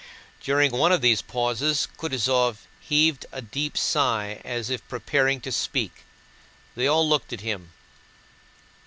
During one of these pauses Kutúzov heaved a deep sigh as if preparing to speak. They all looked at him.